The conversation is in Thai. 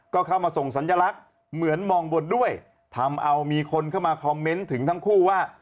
ก็เข้ามาส่งสัญลักษณ์เหมือนมองบนด้วยทำเอามีคนเข้ามาคอมเมนต์ถึงทั้งคู่ว่า